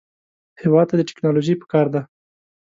هېواد ته ټیکنالوژي پکار ده